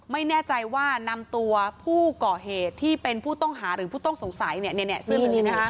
ไม่แน่ใจว่านำตัวผู้ก่อเหตุที่เป็นผู้ต้องหาหรือผู้ต้องสงสัยเสื้อนี้นะคะ